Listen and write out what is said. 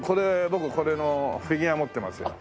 僕これのフィギュア持ってますよ。